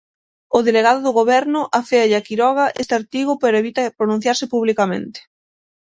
O delegado do Goberno aféalle a Quiroga este artigo pero evita pronunciarse publicamente.